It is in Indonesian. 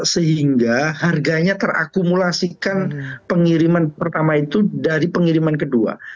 sehingga harganya terakumulasikan pengiriman pertama itu dari pengiriman kedua